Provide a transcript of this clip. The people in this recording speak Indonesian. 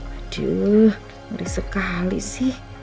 aduh ngeri sekali sih